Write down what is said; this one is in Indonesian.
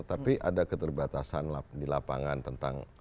tapi ada keterbatasan di lapangan tentang